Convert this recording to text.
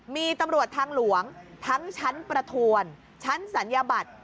มีตำรวจทางหลวงทั้งชั้นประทวนชั้นศัลยบัตร